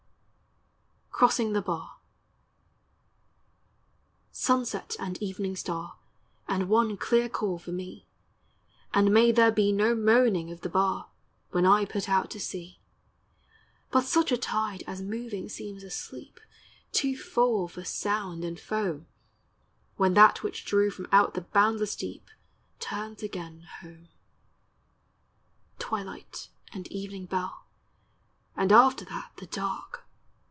CROSSING THE BAR. Sunset and evening star, And one clear call for me ! And may there be no moaning of the bar, When I put out to sea, But such a tide as moving seems asleep, Too full for sound and foam, When that which drew from out the boundless deep Turns again home. Twilight and evening bell, And after that the dark